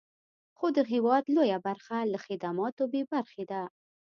خو د هېواد لویه برخه له خدماتو بې برخې ده.